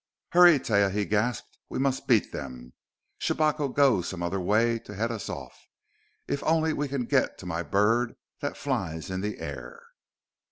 "Hurry, Taia!" he gasped: "we must beat them! Shabako goes some other way to head us off! If only we can get to my bird that flies in the air!"